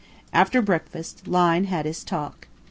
After breakfast, Lyne had his talk.